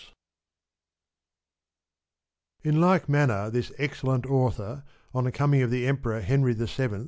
95 IN like manner this excellent author, on the coming of the Emperor Henry VII.